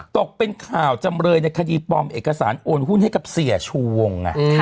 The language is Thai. ตกเป็นข่าวจำเลยในคดีปลอมเอกสารโอนหุ้นให้กับเสียชูวง